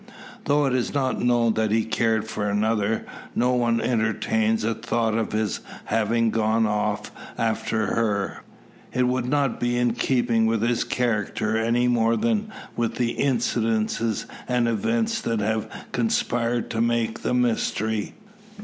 Though it is now known that he cared for another, no one entertains a thought of his having gone off after her. It would not be in keeping with his character, any more than with the incidents and events that have conspired to make the mystery.